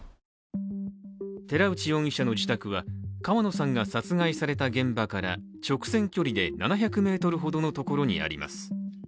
寺内容疑者の自宅は川野さんが殺害された現場から直線距離で７００ｍほどのところにあります。